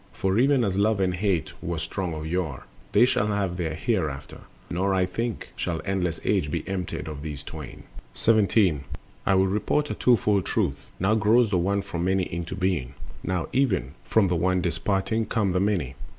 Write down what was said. For even as Love and Hate were strong of yore, They shall have their hereafter; nor I think Shall endless Age be emptied of these Twain. The Cosmic Process. 17. I will report a twofold truth. Now grows The One from Many into being, now Even from the One disparting come the Many.